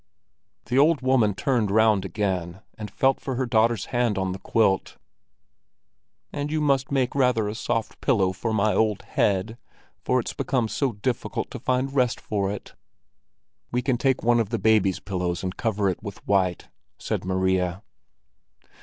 The old woman turned round again, and felt for her daughter's hand on the quilt. "And you must make rather a soft pillow for my old head, for it's become so difficult to find rest for it." "We can take one of the babies' pillows and cover it with white," said Maria.